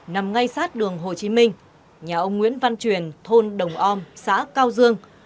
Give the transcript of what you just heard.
nằm ngay sát đường hồ chí minh nhà ông nguyễn văn truyền thôn đồng om xã cao dương